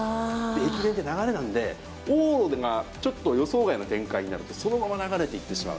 駅伝って流れなんで、往路がちょっと予想外の展開になると、そのまま流れていってしまう。